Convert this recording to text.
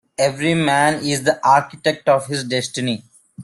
Every man is the architect of his destiny.